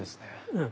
うん。